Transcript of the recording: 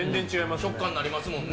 食感になりますもんね。